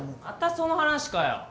またその話かよ。